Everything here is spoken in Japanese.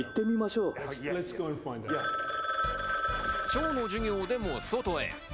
チョウの授業でも外へ。